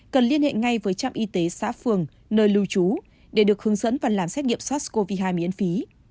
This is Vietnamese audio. cần liên hệ ngay với trạm y tế xã phường nơi lưu trú để được hướng dẫn và làm xét nghiệm sars cov hai miễn phí